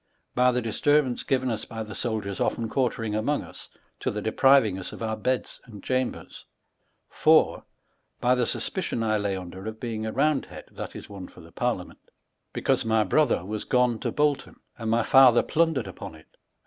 By the disturbance given lis by the soldiers otlou quarteriog among us, to the depriving us of our beda and chambers : IV, By the suspicion I lay under of being a round bead, {that ia, oue for the Parliament,) because my brother was gone to Bolton, and my father plundered upon it, and